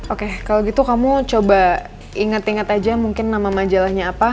oke kalau gitu kamu coba ingat ingat aja mungkin nama majalahnya apa